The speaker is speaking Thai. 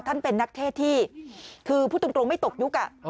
เป็นนักเทศที่คือพูดตรงไม่ตกยุค